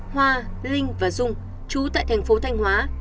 hoa linh và dung chú tại tp thanh hóa